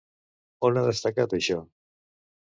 On ha destacat això?